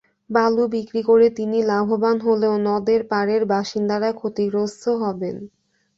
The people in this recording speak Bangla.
বালু বিক্রি করে তিনি লাভবান হলেও নদের পারের বাসিন্দারা ক্ষতিগ্রস্ত হবেন।